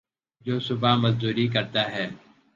جو صبح مزدوری کرتا ہے